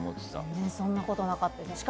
全然そんなことなかったです。